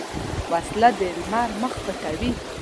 وسله د لمر مخ پټوي